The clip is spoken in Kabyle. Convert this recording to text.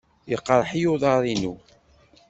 Yeqreḥ-iyi uḍar-inu.